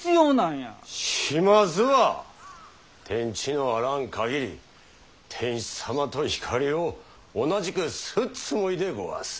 島津は天地のあらん限り天子様と光を同じくすっつもいでごわす。